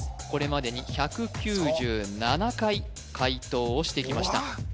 これまでに１９７回解答をしてきました